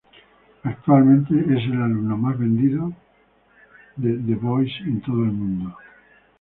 Actualmente es el alumno más vendido de The Voice en todo el mundo.